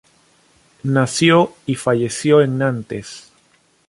Nació y falleció en Nantes.